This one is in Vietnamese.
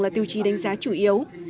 là tiêu chí đánh giá chủ yếu